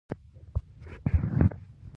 هغه باید نورو ته تدریس او ور وښيي.